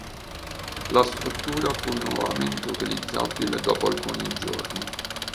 La struttura fu nuovamente utilizzabile dopo alcuni giorni.